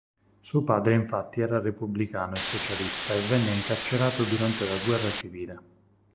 Suo padre infatti era repubblicano e socialista e venne incarcerato durante la guerra civile.